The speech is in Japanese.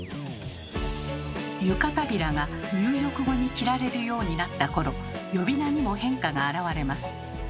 湯帷子が入浴後に着られるようになった頃呼び名にも変化があらわれます。